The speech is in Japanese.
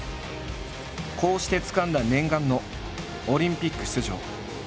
こうしてつかんだ念願のオリンピック出場。